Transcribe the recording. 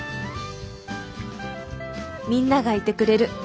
みんながいてくれる。